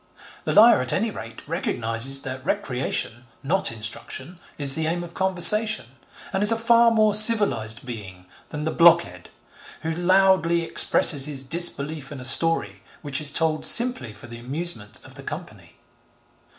The liar at any rate recognises that recreation, not instruction, is the aim of conversation, and is a far more civilised being than the blockhead who loudly expresses his disbelief in a story which is told simply for the amusement of the company.